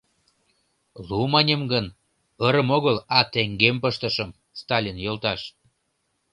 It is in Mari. — Лу маньым гын, ырым огыл, а теҥгем пыштышым, Сталин йолташ.